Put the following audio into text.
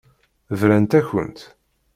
Brant-akent.